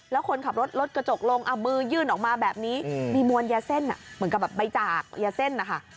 แล้วคนขับรถลดกระจกลงมือยื่นออกมาแบบนี้มีมวลยาเส้นเหมือนกับแบบใบจากยาเส้นนะคะ